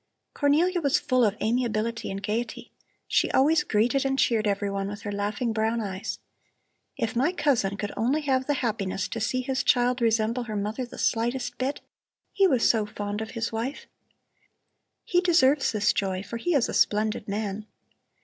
"Cornelia was full of amiability and gayety. She always greeted and cheered everyone with her laughing brown eyes. If my cousin could only have the happiness to see his child resemble her mother the slightest bit! He was so fond of his wife! He deserves this joy, for he is a splendid man."